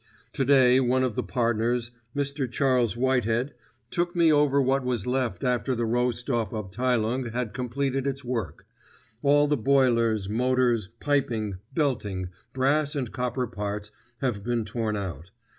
Today one of the partners, Mr. Charles Whitehead, took me over what was left after the Roh Stoff Abteilung had completed its work. All the boilers, motors, piping, belting, brass and copper parts have been torn out.